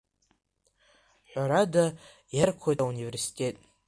Ҳәарада, иаркхоит ауниверситет.